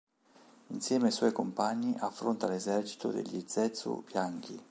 Insieme ai suoi compagni affronta l'esercito degli Zetsu bianchi.